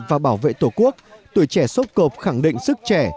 và bảo vệ tổ quốc tuổi trẻ sốc cộp khẳng định sức trẻ